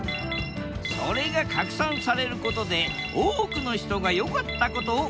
それが拡散されることで多くの人が良かったことを共有。